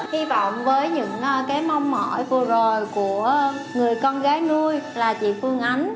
hy vọng với những cái mong mỏi vừa rồi của người con gái nuôi là chị phương ánh